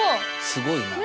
すごいな。